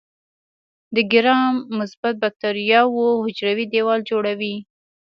د ګرام مثبت باکتریاوو حجروي دیوال جوړوي.